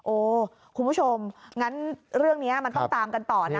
โอ้คุณผู้ชมงั้นเรื่องนี้มันต้องตามกันต่อนะ